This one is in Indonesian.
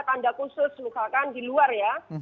tanda khusus misalkan di luar ya